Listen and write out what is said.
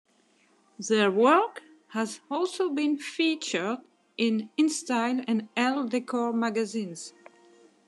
Their work has also been featured in InStyle and Elle Decor magazines.